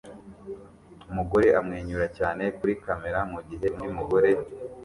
Umugore amwenyura cyane kuri kamera mugihe undi mugore